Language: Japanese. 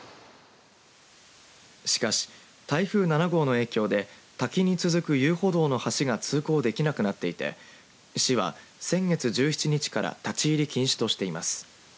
しかし、台風７号の影響で滝に続く遊歩道の橋が通行できなくなっていて市は先月１７日から立ち入り禁止としています。